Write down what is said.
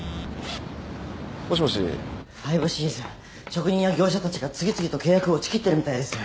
ファイブシーズン職人や業者たちが次々と契約を打ち切ってるみたいです。